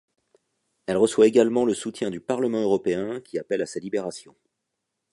Elle reçoit également le soutien du Parlement européen qui appelle à sa libération.